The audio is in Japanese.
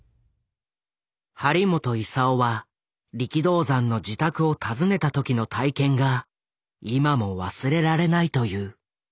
張本勲は力道山の自宅を訪ねた時の体験が今も忘れられないという。